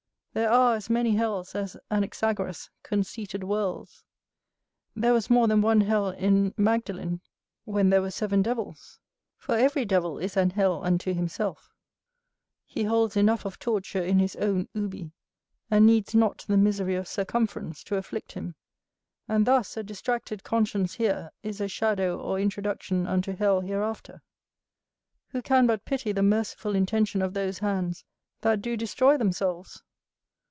There are as many hells as Anaxagoras conceited worlds. There was more than one hell in Magdalene, when there were seven devils; for every devil is an hell unto himself, he holds enough of torture in his own ubi; and needs not the misery of circumference to afflict him: and thus, a distracted conscience here is a shadow or introduction unto hell hereafter. Who can but pity the merciful intention of those hands that do destroy themselves?